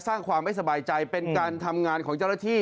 สร้างความไม่สบายใจเป็นการทำงานของเจ้าหน้าที่